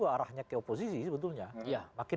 arahnya ke oposisi sebetulnya ya makin